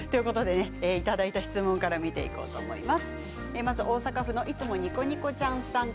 いただいた質問から見ていこうと思います。